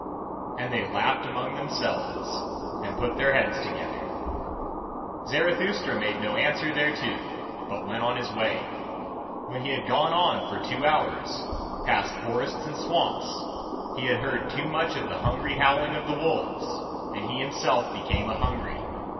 And they laughed among themselves, and put their heads together. Zarathustra made no answer thereto, but went on his way. When he had gone on for two hours, past forests and swamps, he had heard too much of the hungry howling of the wolves, and he himself became a hungry.